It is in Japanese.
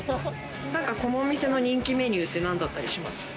なんか、このお店の人気メニューって、なんだったりします？